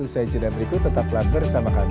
usai jeda berikut tetap laber sama kami